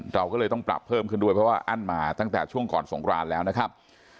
เราก็เลยต้องปรับเพิ่มขึ้นด้วยเพราะว่าอั้นมาตั้งแต่ช่วงก่อนสงครานแล้วนะครับ